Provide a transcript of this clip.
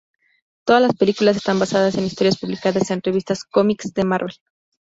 Todas las películas están basadas en historias publicadas en revistas cómics de Marvel.